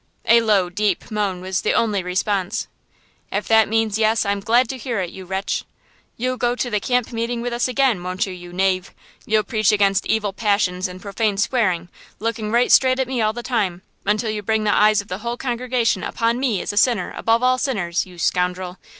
A low, deep moan was the only response. "If that means yes, I'm glad to hear it, you wretch. You'll go to the camp meeting with us again, won't you, you knave? You'll preach against evil passions and profane swearing, looking right straight at me all the time, until you bring the eyes of the whole congregation upon me as a sinner above all sinners, you scoundrel?